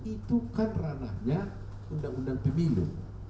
itu kan ranahnya undang undang pemilu